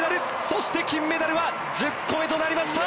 そして、金メダルは１０個目となりました！